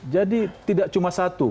jadi tidak cuma satu